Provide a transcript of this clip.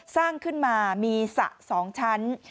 สร้างขึ้นมามีสระ๒ชั้น